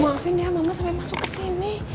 maafin ya mama sampe masuk kesini